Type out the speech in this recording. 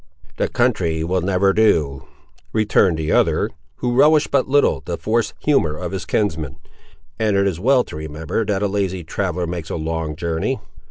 "The country will never do," returned the other, who relished but little the forced humour of his kinsman; "and it is well to remember that a lazy traveller makes a long journey."